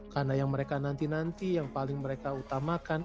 karena yang mereka nanti nanti yang paling mereka utamakan